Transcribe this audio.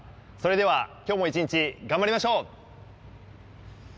それでは今日も一日頑張りましょう！